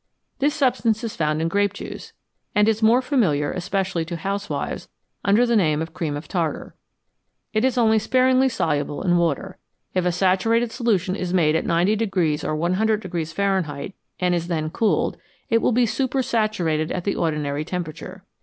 This substance is found in grape juice, and is more familiar, especially to housewives, under the name of " cream of tartar "; it is only sparingly soluble in water. If a saturated solution is made at 90 or 100 Fahrenheit, and is then cooled, it will be super saturated at the ordinary temperature.